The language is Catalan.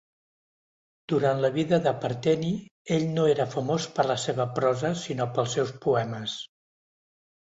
Durant la vida de Parteni, ell no era famós per la seva prosa sinó pels seus poemes.